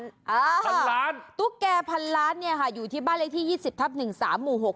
พันล้านตุ๊กแก่พันล้านเนี่ยค่ะอยู่ที่บ้านเลขที่ยี่สิบทับหนึ่งสามหมู่หก